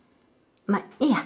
まあいいや。